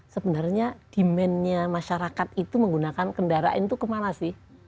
sebenarnya demandnya masyarakat itu menggunakan kendaraan itu kemana sih